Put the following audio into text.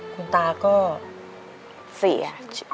คุณตาก็เสีย